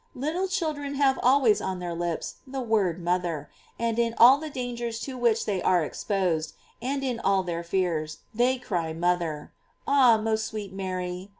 "J Little chil dren have always on their lips the word moth er, and in all the dangers to which they are ex posed, and in all their fears, they cry mother, Ah, most sweet Mary!